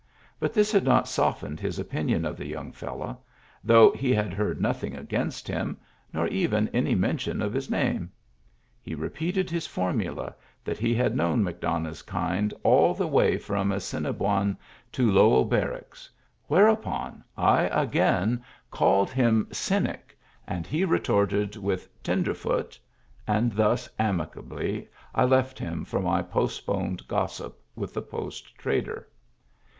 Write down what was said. But this had not softened his opinion of the young fellow, though he had heard nothing against him, nor even any mention of his name; he repeated his formula that he had known McDonough's kind all the way from Assiniboine to Lowell Barracks, whereupon I again called Digitized by Google 176 MEMBERS OF THE FAMILY him "cynic," and he retorted with "tenderfoot," and thus amicably I left him for my postponed gossip with the post trader.